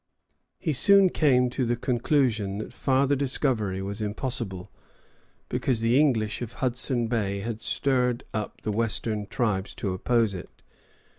He soon came to the conclusion that farther discovery was impossible, because the English of Hudson Bay had stirred up the Western tribes to oppose it.